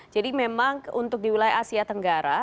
jadi memang untuk di wilayah asia tenggara